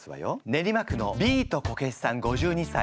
練馬区のビートコケシさん５２歳。